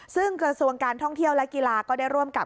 ซึ่งกระทรวงการท่องเที่ยวและกีฬาก็ได้ร่วมกับ